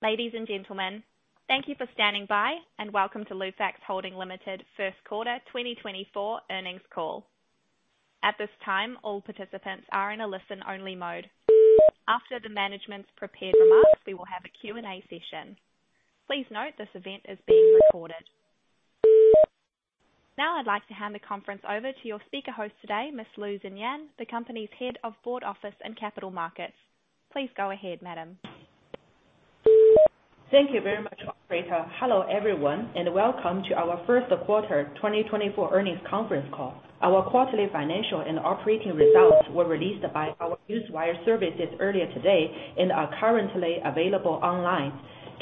Ladies and gentlemen, thank you for standing by and welcome to Lufax Holding Limited First Quarter 2024 Earnings Call. At this time, all participants are in a listen-only mode. After the management's prepared remarks, we will have a Q&A session. Please note this event is being recorded. Now I'd like to hand the conference over to your speaker host today, Miss Liu Xinyan, the company's head of board office and capital markets. Please go ahead, madam. Thank you very much, Rita. Hello everyone, and welcome to our First Quarter 2024 Earnings Conference Call. Our quarterly financial and operating results were released by our newswire services earlier today and are currently available online.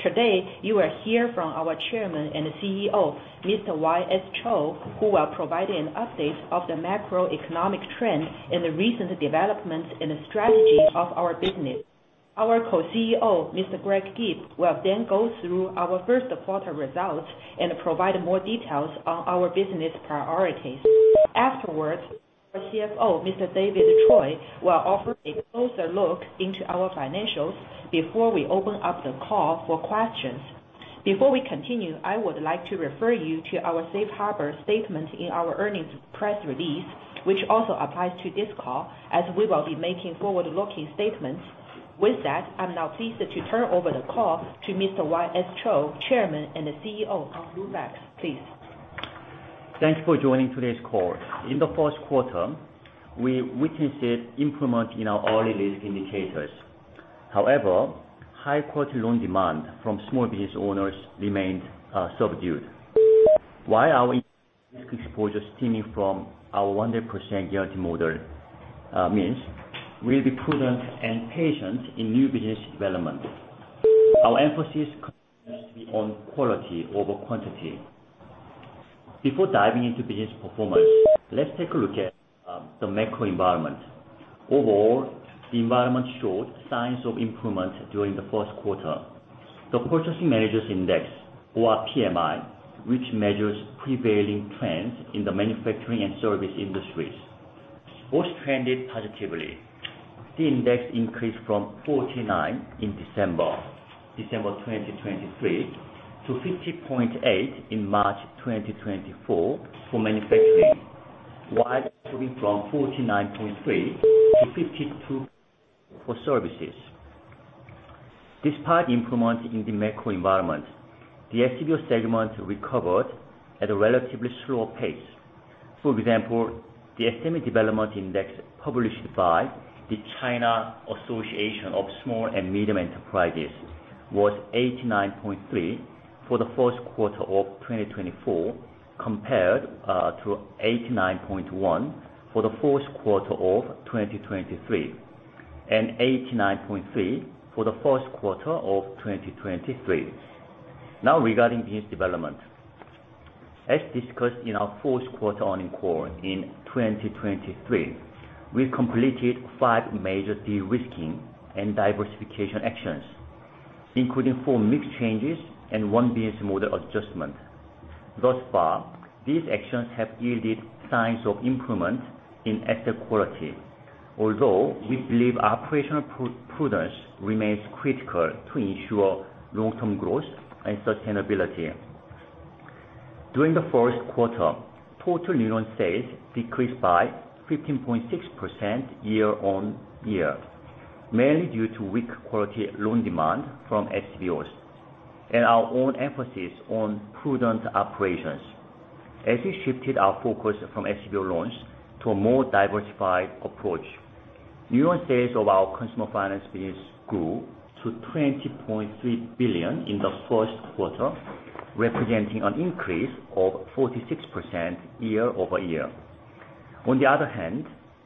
Today, you will hear from our Chairman and CEO, Mr. Y. S. Cho, who will provide an update of the macroeconomic trend and the recent developments in the strategy of our business. Our Co-CEO, Mr. Greg Gibb, will then go through our First Quarter results and provide more details on our business priorities. Afterwards, our CFO, Mr. David Choy, will offer a closer look into our financials before we open up the call for questions. Before we continue, I would like to refer you to our Safe Harbor statement in our earnings press release, which also applies to this call as we will be making forward-looking statements. With that, I'm now pleased to turn over the call to Mr. Y.S. Cho, Chairman and CEO of Lufax, please. Thank you for joining today's call. In the first quarter, we witnessed improvement in our early-risk indicators. However, high-quality loan demand from small business owners remained subdued. While our risk exposure is stemming from our 100% guarantee model, we'll be prudent and patient in new business development. Our emphasis continues to be on quality over quantity. Before diving into business performance, let's take a look at the macro environment. Overall, the environment showed signs of improvement during the first quarter. The Purchasing Managers' Index, or PMI, which measures prevailing trends in the manufacturing and service industries, both trended positively. The index increased from 49 in December 2023 to 50.8 in March 2024 for manufacturing, while improving from 49.3 to 52.0 for services. Despite improvement in the macro environment, the SBO segment recovered at a relatively slower pace. For example, the SME Development Index published by the China Association of Small and Medium Enterprises was 89.3 for the first quarter of 2024 compared to 89.1 for the fourth quarter of 2023 and 89.3 for the first quarter of 2023. Now regarding business development, as discussed in our fourth quarter earnings call in 2023, we completed five major de-risking and diversification actions, including four mix changes and one business model adjustment. Thus far, these actions have yielded signs of improvement in asset quality, although we believe operational prudence remains critical to ensure long-term growth and sustainability. During the first quarter, total new loan sales decreased by 15.6% year-on-year, mainly due to weak quality loan demand from SBOs and our own emphasis on prudent operations. As we shifted our focus from SBO loans to a more diversified approach, new loan sales of our consumer finance business grew to 20.3 billion in the first quarter, representing an increase of 46% year-over-year. On the other hand,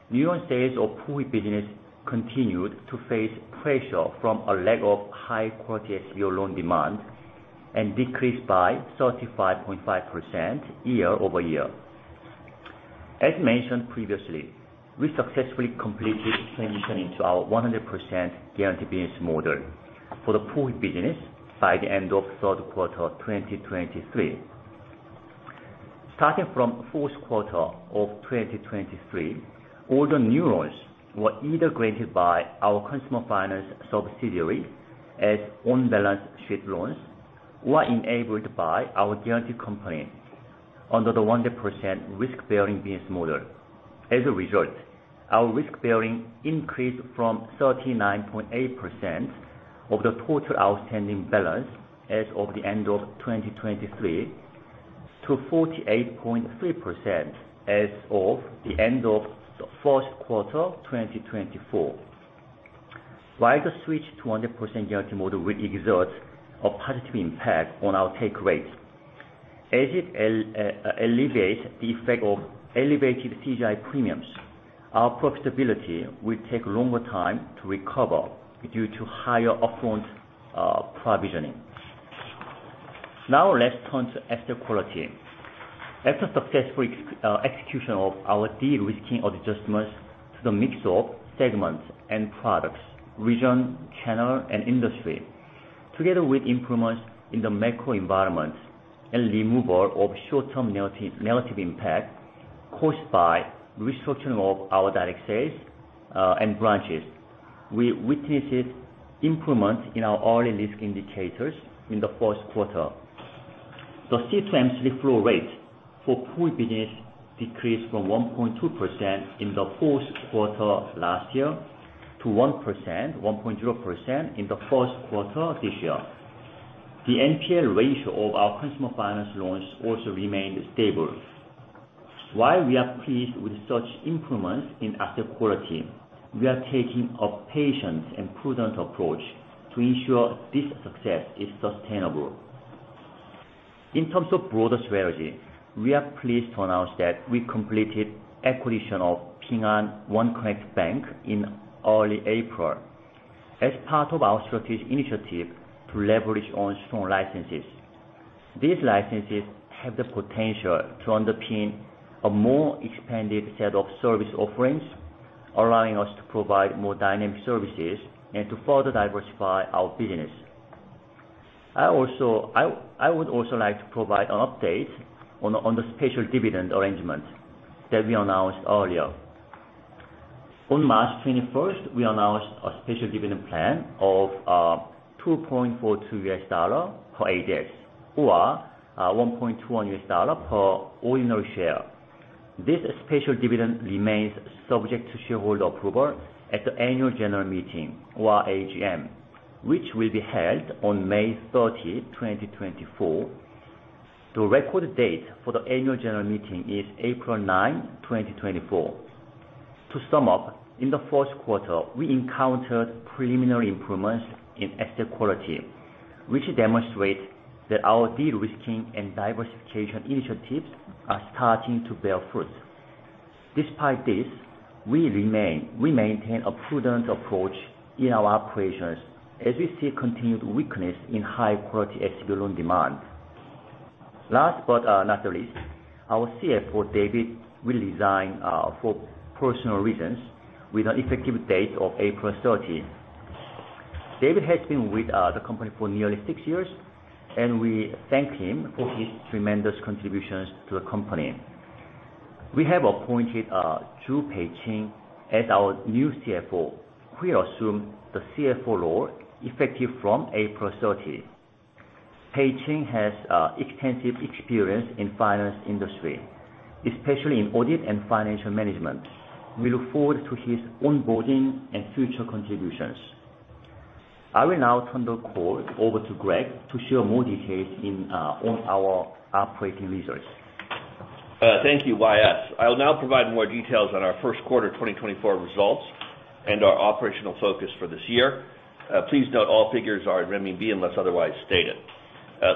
new loan sales of Puhui business continued to face pressure from a lack of high-quality SBO loan demand and decreased by 35.5% year-over-year. As mentioned previously, we successfully completed transitioning to our 100% guarantee business model for the Puhui business by the end of third quarter 2023. Starting from fourth quarter of 2023, all the new loans were either granted by our consumer finance subsidiary as on-balance sheet loans or enabled by our guarantee company under the 100% risk-bearing business model. As a result, our risk-bearing increased from 39.8% of the total outstanding balance as of the end of 2023 to 48.3% as of the end of first quarter 2024. While the switch to 100% guarantee model will exert a positive impact on our take rates, as it alleviates the effect of elevated CGI premiums, our profitability will take a longer time to recover due to higher upfront provisioning. Now let's turn to asset quality. After successful execution of our de-risking adjustments to the mix of segments and products, region, channel, and industry, together with improvements in the macro environment and removal of short-term negative impact caused by restructuring of our direct sales and branches, we witnessed improvement in our early-risk indicators in the first quarter. The C-M3 flow rate for Puhui business decreased from 1.2% in the fourth quarter last year to 1.0% in the first quarter this year. The NPL ratio of our consumer finance loans also remained stable. While we are pleased with such improvements in asset quality, we are taking a patient and prudent approach to ensure this success is sustainable. In terms of broader strategy, we are pleased to announce that we completed acquisition of Ping An OneConnect Bank in early April as part of our strategic initiative to leverage on strong licenses. These licenses have the potential to underpin a more expanded set of service offerings, allowing us to provide more dynamic services and to further diversify our business. I would also like to provide an update on the special dividend arrangement that we announced earlier. On March 21st, we announced a special dividend plan of $2.42 per ADS or $1.21 per ordinary share. This special dividend remains subject to shareholder approval at the annual general meeting or AGM, which will be held on May 30, 2024. The record date for the annual general meeting is April 9, 2024. To sum up, in the first quarter, we encountered preliminary improvements in asset quality, which demonstrates that our de-risking and diversification initiatives are starting to bear fruit. Despite this, we maintain a prudent approach in our operations as we see continued weakness in high-quality SBO loan demand. Last but not least, our CFO, David, will resign for personal reasons with an effective date of April 30. David has been with the company for nearly six years, and we thank him for his tremendous contributions to the company. We have appointed Zhu Peiqing as our new CFO. We assume the CFO role effective from April 30. Peiqing has extensive experience in the finance industry, especially in audit and financial management. We look forward to his onboarding and future contributions. I will now turn the call over to Greg to share more details on our operating results. Thank you, Y. S. Cho. I'll now provide more details on our first quarter 2024 results and our operational focus for this year. Please note all figures are in RMB unless otherwise stated.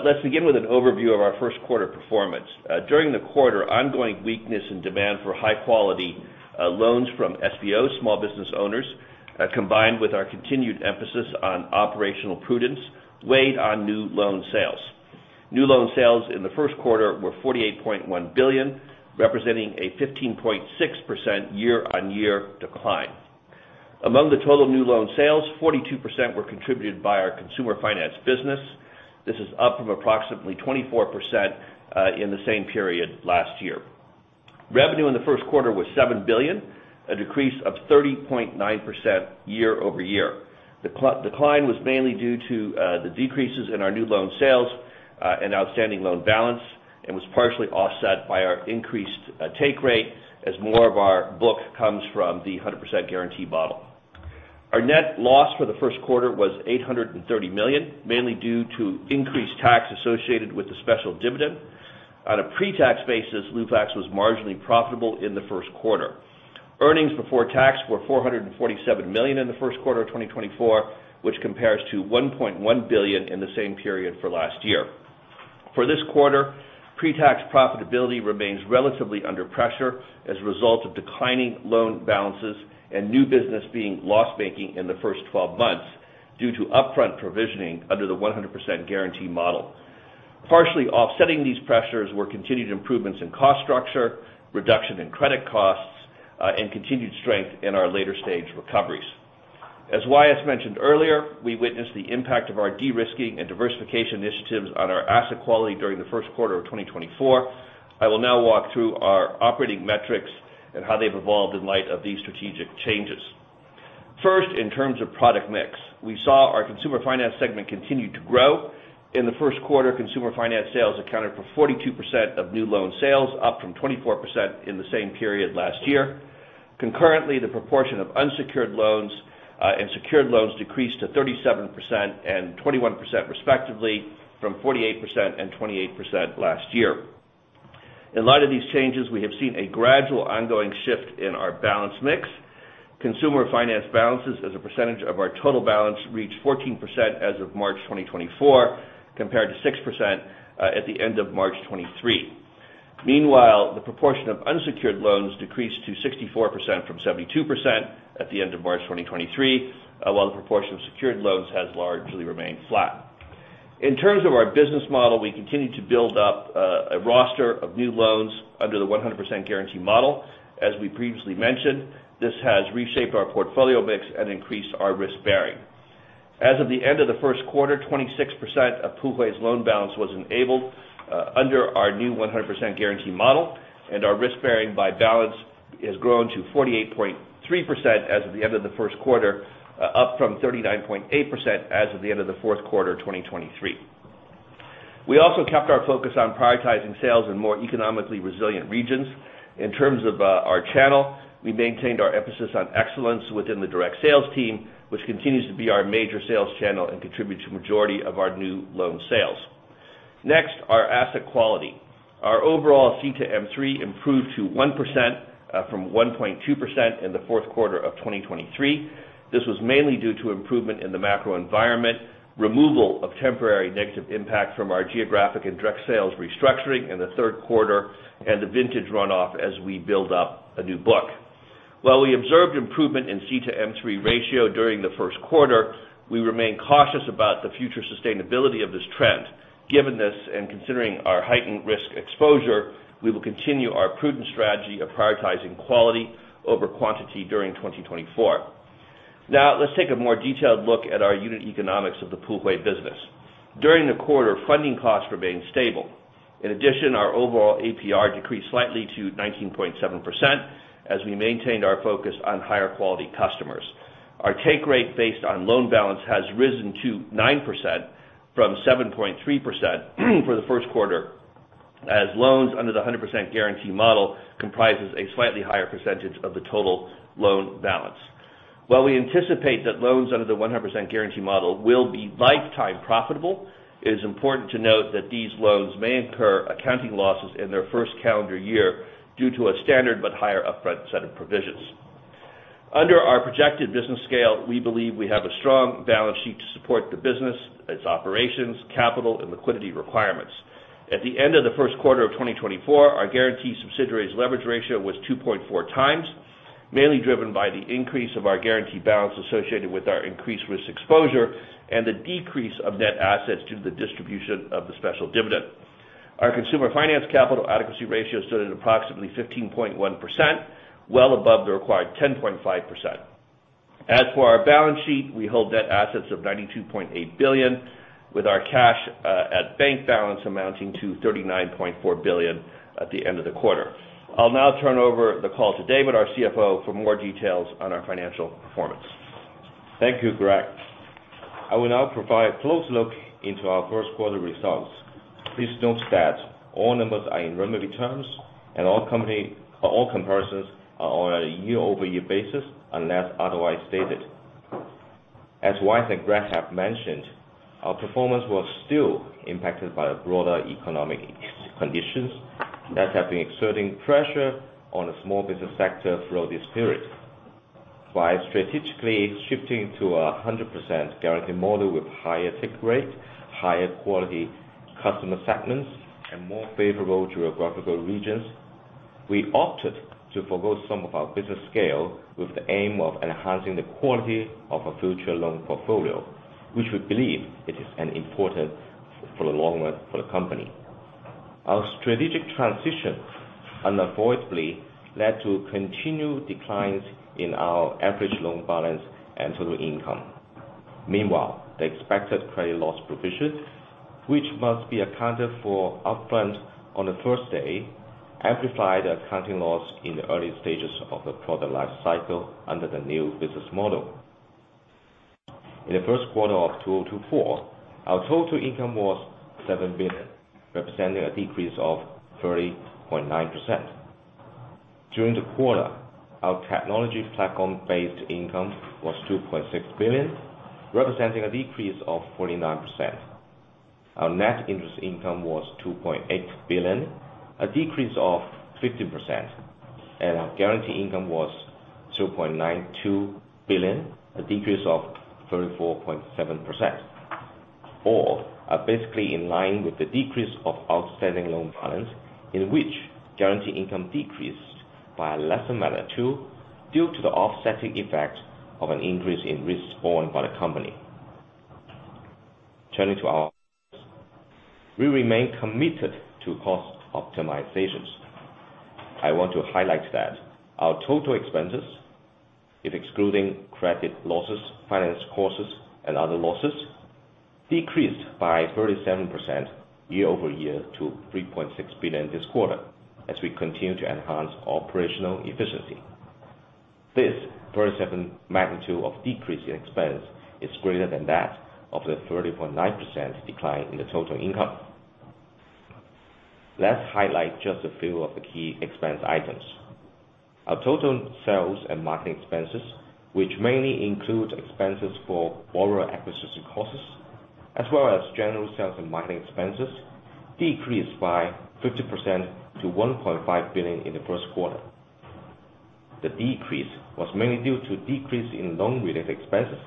Let's begin with an overview of our first quarter performance. During the quarter, ongoing weakness in demand for high-quality loans from SBOs, small business owners, combined with our continued emphasis on operational prudence, weighed on new loan sales. New loan sales in the first quarter were 48.1 billion, representing a 15.6% year-on-year decline. Among the total new loan sales, 42% were contributed by our consumer finance business. This is up from approximately 24% in the same period last year. Revenue in the first quarter was 7 billion, a decrease of 30.9% year-over-year. The decline was mainly due to the decreases in our new loan sales and outstanding loan balance and was partially offset by our increased take rate as more of our book comes from the 100% guarantee model. Our net loss for the first quarter was 830 million, mainly due to increased tax associated with the special dividend. On a pre-tax basis, Lufax was marginally profitable in the first quarter. Earnings before tax were 447 million in the first quarter of 2024, which compares to 1.1 billion in the same period for last year. For this quarter, pre-tax profitability remains relatively under pressure as a result of declining loan balances and new business being loss booking in the first 12 months due to upfront provisioning under the 100% guarantee model. Partially offsetting these pressures were continued improvements in cost structure, reduction in credit costs, and continued strength in our later-stage recoveries. As Y. S. Cho mentioned earlier, we witnessed the impact of our de-risking and diversification initiatives on our asset quality during the first quarter of 2024. I will now walk through our operating metrics and how they've evolved in light of these strategic changes. First, in terms of product mix, we saw our consumer finance segment continue to grow. In the first quarter, consumer finance sales accounted for 42% of new loan sales, up from 24% in the same period last year. Concurrently, the proportion of unsecured loans and secured loans decreased to 37% and 21% respectively from 48% and 28% last year. In light of these changes, we have seen a gradual ongoing shift in our balance mix. Consumer finance balances, as a percentage of our total balance, reached 14% as of March 2024 compared to 6% at the end of March 2023. Meanwhile, the proportion of unsecured loans decreased to 64% from 72% at the end of March 2023, while the proportion of secured loans has largely remained flat. In terms of our business model, we continue to build up a roster of new loans under the 100% guarantee model. As we previously mentioned, this has reshaped our portfolio mix and increased our risk bearing. As of the end of the first quarter, 26% of Puhui's loan balance was enabled under our new 100% guarantee model, and our risk bearing by balance has grown to 48.3% as of the end of the first quarter, up from 39.8% as of the end of the fourth quarter of 2023. We also kept our focus on prioritizing sales in more economically resilient regions. In terms of our channel, we maintained our emphasis on excellence within the direct sales team, which continues to be our major sales channel and contributes to the majority of our new loan sales. Next, our asset quality. Our overall C-M3 improved to 1% from 1.2% in the fourth quarter of 2023. This was mainly due to improvement in the macro environment, removal of temporary negative impact from our geographic and direct sales restructuring in the third quarter, and the vintage runoff as we build up a new book. While we observed improvement in C-M3 ratio during the first quarter, we remain cautious about the future sustainability of this trend. Given this and considering our heightened risk exposure, we will continue our prudent strategy of prioritizing quality over quantity during 2024. Now, let's take a more detailed look at our unit economics of the Puhui business. During the quarter, funding costs remained stable. In addition, our overall APR decreased slightly to 19.7% as we maintained our focus on higher quality customers. Our take rate based on loan balance has risen to 9% from 7.3% for the first quarter, as loans under the 100% guarantee model comprise a slightly higher percentage of the total loan balance. While we anticipate that loans under the 100% guarantee model will be lifetime profitable, it is important to note that these loans may incur accounting losses in their first calendar year due to a standard but higher upfront set of provisions. Under our projected business scale, we believe we have a strong balance sheet to support the business, its operations, capital, and liquidity requirements. At the end of the first quarter of 2024, our guarantee subsidiaries leverage ratio was 2.4x, mainly driven by the increase of our guarantee balance associated with our increased risk exposure and the decrease of net assets due to the distribution of the special dividend. Our Consumer Finance capital adequacy ratio stood at approximately 15.1%, well above the required 10.5%. As for our balance sheet, we hold net assets of 92.8 billion, with our cash at bank balance amounting to 39.4 billion at the end of the quarter. I'll now turn over the call to David, our CFO, for more details on our financial performance. Thank you, Greg. I will now provide a close look into our first quarter results. Please note that all numbers are in RMB terms, and all comparisons are on a year-over-year basis unless otherwise stated. As Y. S. and Greg have mentioned, our performance was still impacted by broader economic conditions that have been exerting pressure on the small business sector throughout this period. By strategically shifting to a 100% guarantee model with higher take rate, higher quality customer segments, and more favorable geographical regions, we opted to forgo some of our business scale with the aim of enhancing the quality of our future loan portfolio, which we believe it is important for the long run for the company. Our strategic transition unavoidably led to continued declines in our average loan balance and total income. Meanwhile, the expected credit loss provisions, which must be accounted for upfront on the first day, amplified the accounting loss in the early stages of the product life cycle under the new business model. In the first quarter of 2024, our total income was 7 billion, representing a decrease of 30.9%. During the quarter, our technology platform-based income was 2.6 billion, representing a decrease of 49%. Our net interest income was 2.8 billion, a decrease of 15%, and our guarantee income was 0.92 billion, a decrease of 34.7%. All are basically in line with the decrease of outstanding loan balance, in which guarantee income decreased by a lesser magnitude due to the offsetting effect of an increase in risk borne by the company. Turning to our costs, we remain committed to cost optimizations. I want to highlight that our total expenses, excluding credit losses, finance costs, and other losses, decreased by 37% year-over-year to RMB 3.6 billion this quarter as we continue to enhance operational efficiency. This 37% magnitude of decrease in expense is greater than that of the 30.9% decline in the total income. Let's highlight just a few of the key expense items. Our total sales and marketing expenses, which mainly include expenses for borrower acquisition costs as well as general sales and marketing expenses, decreased by 50% to 1.5 billion in the first quarter. The decrease was mainly due to a decrease in loan-related expenses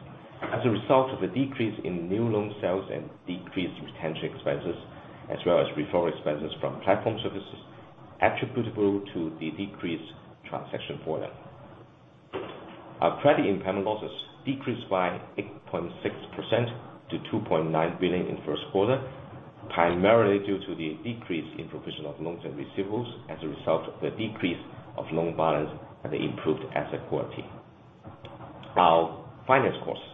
as a result of the decrease in new loan sales and decreased retention expenses as well as referral expenses from platform services attributable to the decreased transaction volume. Our credit impairment losses decreased by 8.6% to 2.9 billion in the first quarter, primarily due to the decrease in provision of loans and receivables as a result of the decrease of loan balance and the improved asset quality. Our finance costs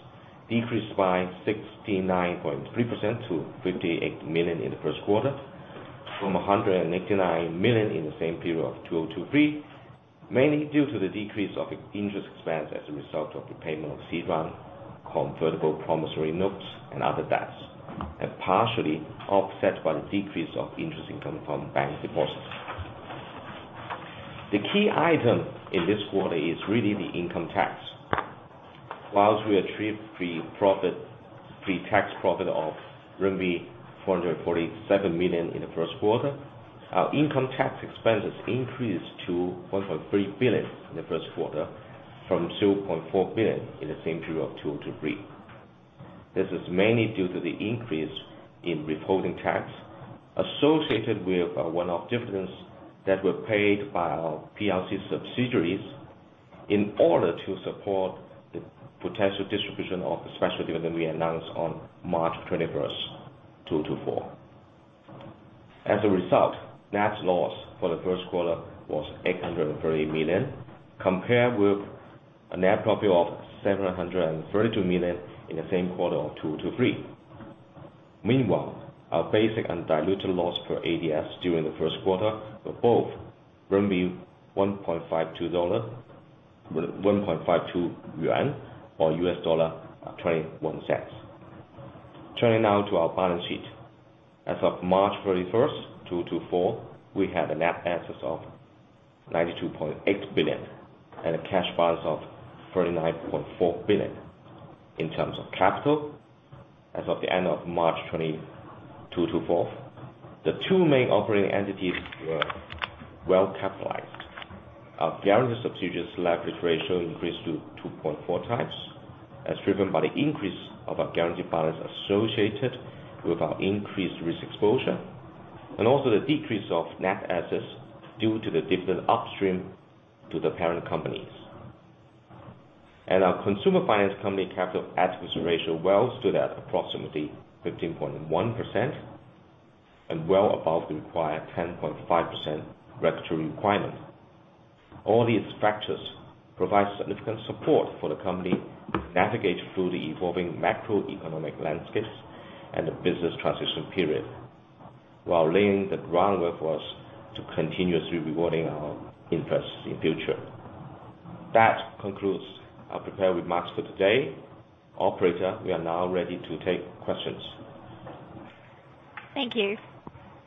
decreased by 69.3% to 58 million in the first quarter from 189 million in the same period of 2023, mainly due to the decrease of interest expense as a result of repayment of C-round, convertible promissory notes, and other debts, and partially offset by the decrease of interest income from bank deposits. The key item in this quarter is really the income tax. While we achieved pre-tax profit of RMB 447 million in the first quarter, our income tax expenses increased to 1.3 billion in the first quarter from 0.4 billion in the same period of 2023. This is mainly due to the increase in withholding tax associated with one-off dividends that were paid by our PRC subsidiaries in order to support the potential distribution of the special dividend we announced on March 21st, 2024. As a result, net loss for the first quarter was 830 million compared with a net profit of 732 million in the same quarter of 2023. Meanwhile, our basic undiluted loss per ADS during the first quarter was 1.52 yuan or $0.21. Turning now to our balance sheet. As of March 31st, 2024, we had net assets of 92.8 billion and a cash balance of 39.4 billion in terms of capital as of the end of March 2024. The two main operating entities were well capitalized. Our guarantee subsidiaries' leverage ratio increased to 2.4x as driven by the increase of our guarantee balance associated with our increased risk exposure and also the decrease of net assets due to the dividend upstream to the parent companies. Our consumer finance company capital adequacy ratio well stood at approximately 15.1% and well above the required 10.5% regulatory requirement. All these factors provide significant support for the company to navigate through the evolving macroeconomic landscapes and the business transition period while laying the groundwork for us to continuously rewarding our interests in the future. That concludes our prepared remarks for today. Operator, we are now ready to take questions. Thank you.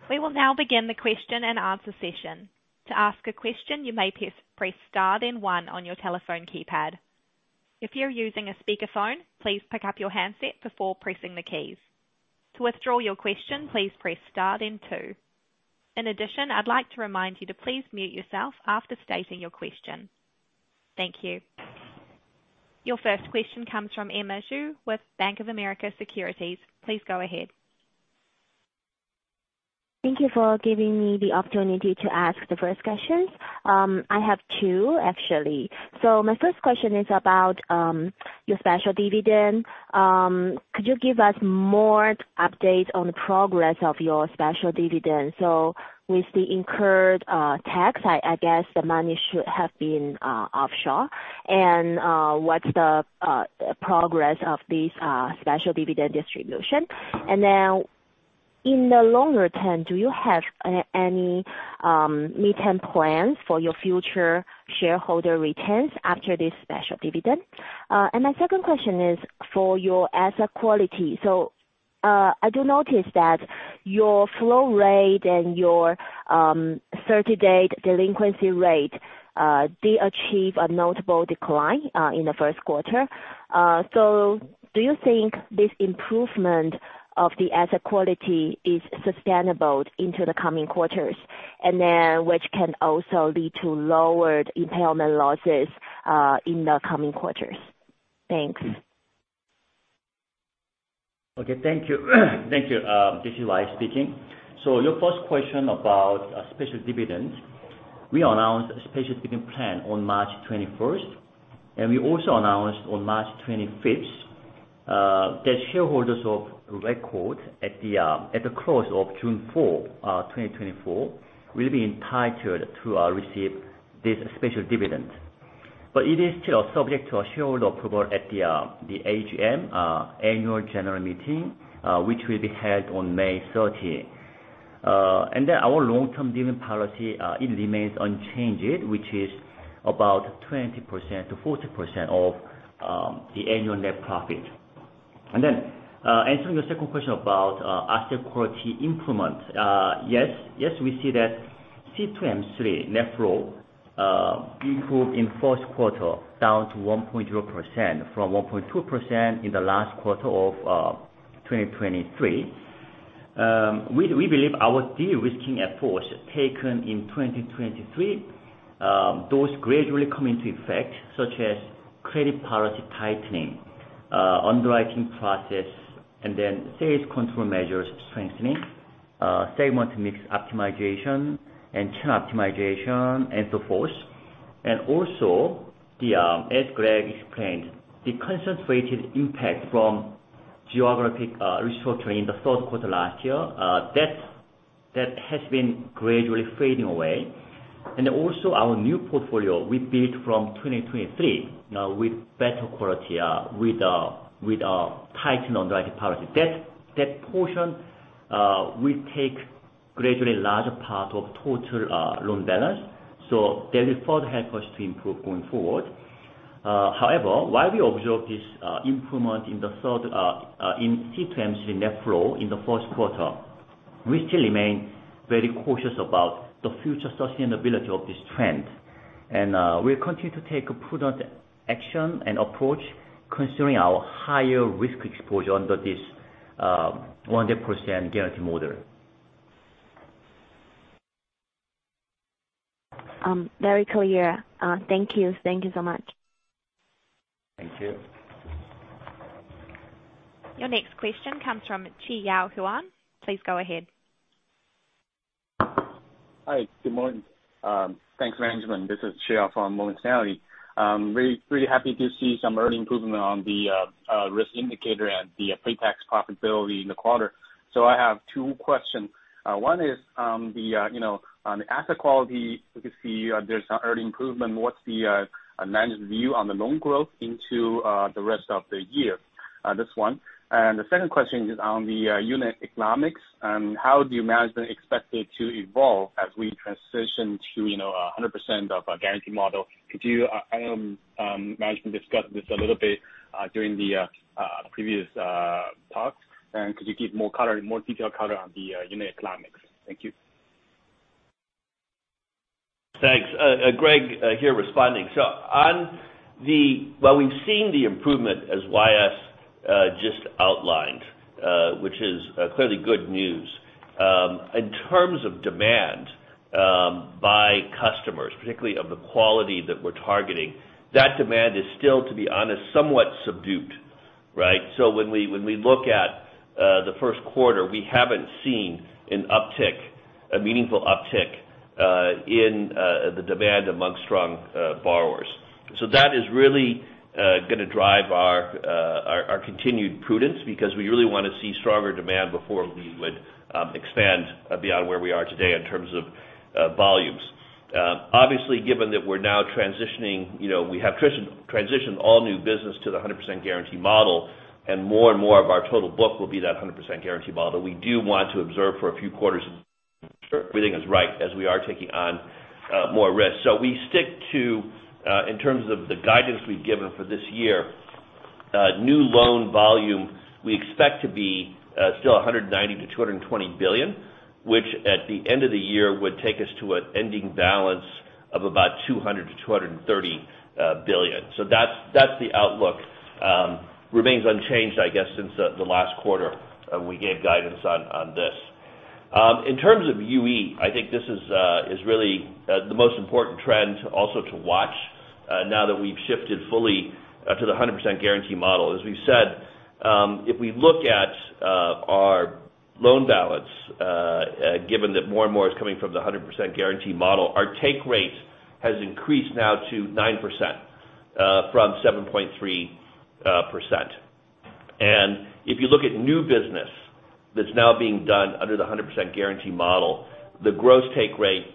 We will now begin the question and answer session. To ask a question, you may press star then one on your telephone keypad. If you're using a speakerphone, please pick up your handset before pressing the keys. To withdraw your question, please press star then two. In addition, I'd like to remind you to please mute yourself after stating your question. Thank you. Your first question comes from Emma Xu with Bank of America Securities. Please go ahead. Thank you for giving me the opportunity to ask the first questions. I have two, actually. So my first question is about your special dividend. Could you give us more updates on the progress of your special dividend? So with the incurred tax, I guess the money should have been offshore. And what's the progress of this special dividend distribution? And then in the longer term, do you have any meantime plans for your future shareholder returns after this special dividend? And my second question is for your asset quality. So I do notice that your flow rate and your 30-day delinquency rate, they achieve a notable decline in the first quarter. So do you think this improvement of the asset quality is sustainable into the coming quarters, which can also lead to lowered impairment losses in the coming quarters? Thanks. Okay. Thank you. This is Y. S. Cho speaking. So your first question about special dividend. We announced a special dividend plan on March 21st, and we also announced on March 25th that shareholders of record at the close of June 4, 2024, will be entitled to receive this special dividend. But it is still subject to a shareholder approval at the AGM annual general meeting, which will be held on May 30. And then our long-term dividend policy, it remains unchanged, which is about 20%-40% of the annual net profit. And then answering your second question about asset quality improvement, yes, we see that C-M3 net flow improved in the first quarter down to 1.0% from 1.2% in the last quarter of 2023. We believe our de-risking efforts taken in 2023, those gradually coming into effect, such as credit policy tightening, underwriting process, and then sales control measures strengthening, segment mix optimization, and channel optimization, and so forth. And also, as Greg explained, the concentrated impact from geographic restructuring in the third quarter last year, that has been gradually fading away. And then also our new portfolio we built from 2023 with better quality, with a tightened underwriting policy. That portion will take gradually a larger part of total loan balance. So that will further help us to improve going forward. However, while we observe this improvement in C-M3 net flow in the first quarter, we still remain very cautious about the future sustainability of this trend. And we'll continue to take prudent action and approach considering our higher risk exposure under this 100% guarantee model. Very clear. Thank you. Thank you so much. Thank you. Your next question comes from Chiyao Huang. Please go ahead. Hi. Good morning. Thanks, gentleman. This is Chiyao Huang from Morgan Stanley. Really happy to see some early improvement on the risk indicator and the pre-tax profitability in the quarter. So I have two questions. One is on the asset quality, we can see there's some early improvement. What's the management view on the loan growth into the rest of the year? This one. And the second question is on the unit economics. How does management expect it to evolve as we transition to 100% of a guarantee model? Could you and management discuss this a little bit during the previous talks? And could you give more detailed cover on the unit economics? Thank you. Thanks. Greg here responding. So while we've seen the improvement as Y. S. just outlined, which is clearly good news, in terms of demand by customers, particularly of the quality that we're targeting, that demand is still, to be honest, somewhat subdued, right? So when we look at the first quarter, we haven't seen a meaningful uptick in the demand among strong borrowers. So that is really going to drive our continued prudence because we really want to see stronger demand before we would expand beyond where we are today in terms of volumes. Obviously, given that we're now transitioning we have transitioned all new business to the 100% guarantee model, and more and more of our total book will be that 100% guarantee model. We do want to observe for a few quarters everything is right as we are taking on more risk. So we stick to, in terms of the guidance we've given for this year, new loan volume, we expect to be still 190 billion-220 billion, which at the end of the year would take us to an ending balance of about 200 billion-230 billion. So that's the outlook. Remains unchanged, I guess, since the last quarter we gave guidance on this. In terms of UE, I think this is really the most important trend also to watch now that we've shifted fully to the 100% guarantee model. As we've said, if we look at our loan balance, given that more and more is coming from the 100% guarantee model, our take rate has increased now to 9% from 7.3%. And if you look at new business that's now being done under the 100% guarantee model, the gross take rate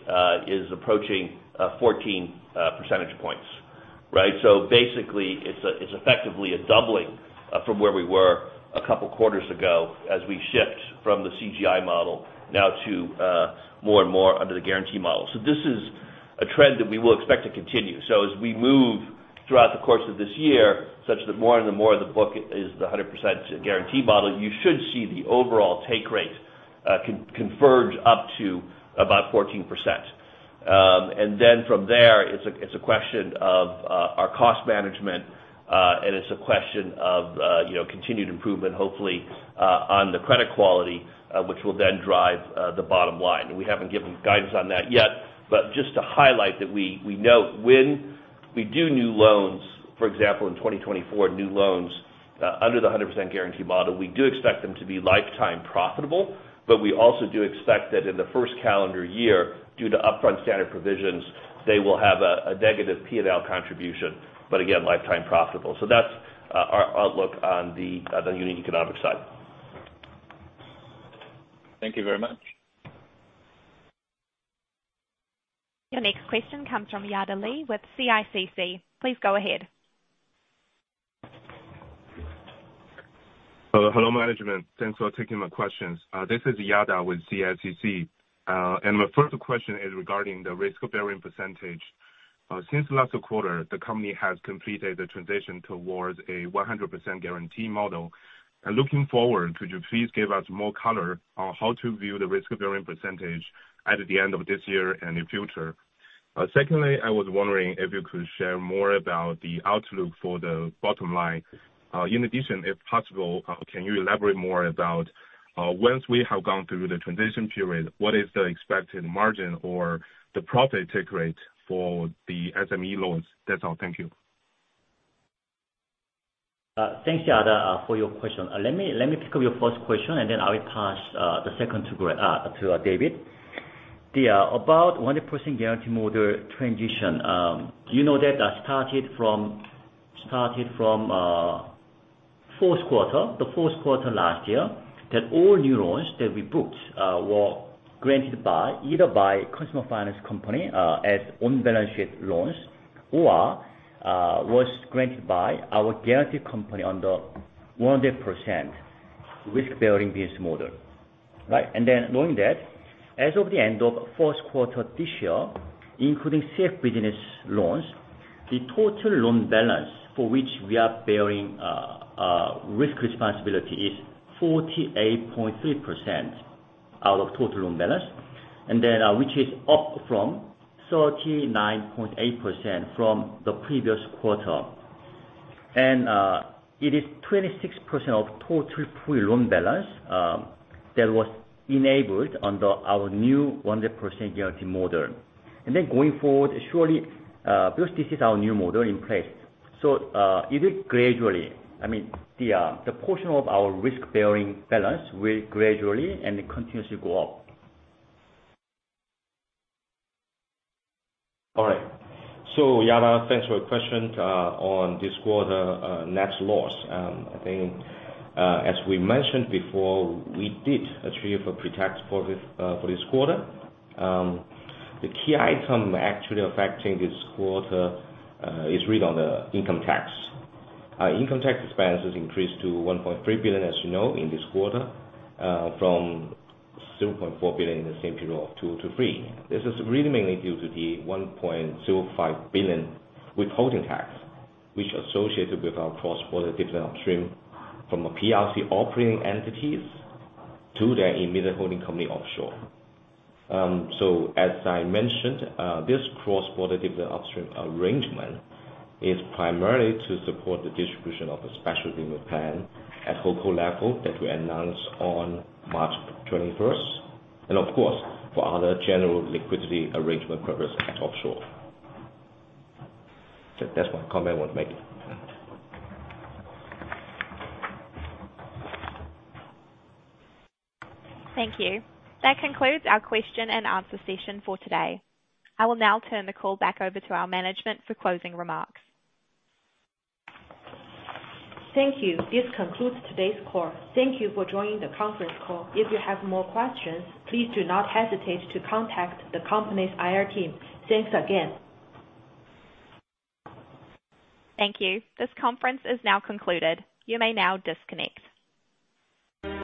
is approaching 14 percentage points, right? So basically, it's effectively a doubling from where we were a couple of quarters ago as we shift from the CGI model now to more and more under the guarantee model. So this is a trend that we will expect to continue. So as we move throughout the course of this year, such that more and more of the book is the 100% guarantee model, you should see the overall take rate converge up to about 14%. And then from there, it's a question of our cost management, and it's a question of continued improvement, hopefully, on the credit quality, which will then drive the bottom line. And we haven't given guidance on that yet. But just to highlight that we know when we do new loans, for example, in 2024, new loans under the 100% guarantee model, we do expect them to be lifetime profitable. But we also do expect that in the first calendar year, due to upfront standard provisions, they will have a negative P&L contribution, but again, lifetime profitable. So that's our outlook on the unit economic side. Thank you very much. Your next question comes from Yada Li with CICC. Please go ahead. Hello, management. Thanks for taking my questions. This is Yada with CICC. My first question is regarding the risk-bearing percentage. Since last quarter, the company has completed the transition towards a 100% guarantee model. Looking forward, could you please give us more color on how to view the risk-bearing percentage at the end of this year and in the future? Secondly, I was wondering if you could share more about the outlook for the bottom line. In addition, if possible, can you elaborate more about once we have gone through the transition period, what is the expected margin or the profit take rate for the SME loans? That's all. Thank you. Thanks, Yada, for your question. Let me pick up your first question, and then I will pass the second to David. About the 100% guarantee model transition, you know that started from fourth quarter, the fourth quarter last year, that all new loans that we booked were granted either by consumer finance company as off-balance sheet loans or was granted by our guarantee company under 100% risk-bearing business model, right? And then knowing that, as of the end of fourth quarter this year, including CF business loans, the total loan balance for which we are bearing risk responsibility is 48.3% out of total loan balance, which is up from 39.8% from the previous quarter. And it is 26% of total loan balance that was enabled under our new 100% guarantee model. Then, going forward, surely because this is our new model in place, so it will gradually, I mean, the portion of our risk-bearing balance will gradually and continuously go up. All right. So Yada, thanks for your question on this quarter net loss. I think as we mentioned before, we did achieve a pre-tax profit for this quarter. The key item actually affecting this quarter is really on the income tax. Income tax expenses increased to 1.3 billion, as you know, in this quarter from 0.4 billion in the same period of two to three. This is really mainly due to the 1.05 billion withholding tax, which associated with our cross-border dividend upstream from PRC operating entities to their immediate holding company offshore. So as I mentioned, this cross-border dividend upstream arrangement is primarily to support the distribution of a special dividend plan at Holdco level that we announced on March 21st, and of course, for other general liquidity arrangement purposes at offshore. That's my comment. Thank you. That concludes our question and answer session for today. I will now turn the call back over to our management for closing remarks. Thank you. This concludes today's call. Thank you for joining the conference call. If you have more questions, please do not hesitate to contact the company's IR team. Thanks again. Thank you. This conference is now concluded. You may now disconnect.